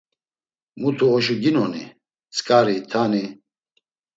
Mutu oşu ginoni; tzǩari, tani?